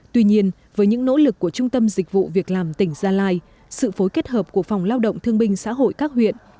tuy nhiên với những nỗ lực của trung tâm dịch vụ việc làm tỉnh gia lai sự phối kết hợp của phòng lao động thương binh xã hội các huyện